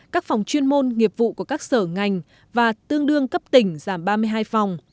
các phòng chuyên môn nghiệp vụ của các sở ngành và tương đương cấp tỉnh giảm ba mươi hai phòng